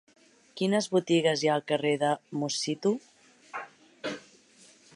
Quines botigues hi ha al carrer de Musitu?